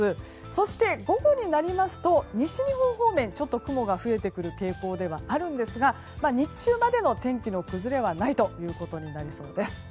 そして午後になりますと西日本方面雲が増えてくる傾向ですが日中までの天気の崩れはないということになりそうです。